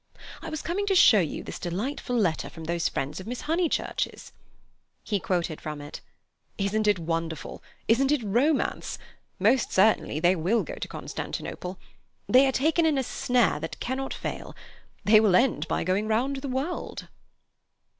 "I was coming to show you this delightful letter from those friends of Miss Honeychurch." He quoted from it. "Isn't it wonderful? Isn't it romance? Most certainly they will go to Constantinople. They are taken in a snare that cannot fail. They will end by going round the world."